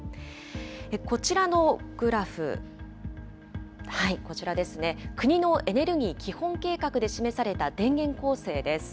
こちらのグラフ、こちらですね、国のエネルギー基本計画で示された電源構成です。